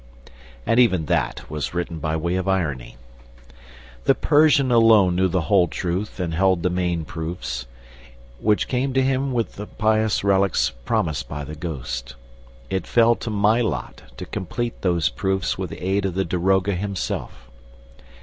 And even that was written by way of irony. The Persian alone knew the whole truth and held the main proofs, which came to him with the pious relics promised by the ghost. It fell to my lot to complete those proofs with the aid of the daroga himself.